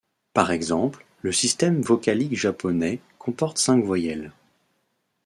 Par exemple, le système vocalique japonais comporte cinq voyelles.